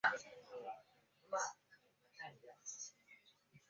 当奴云在加州雷德兰兹。